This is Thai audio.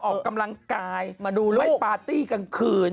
ออกกำลังกายไม่ปาร์ตี้กลางคืน